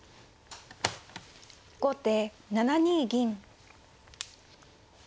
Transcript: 後手７二銀。